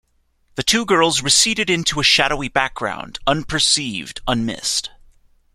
The two girls receded into a shadowy background, unperceived, unmissed.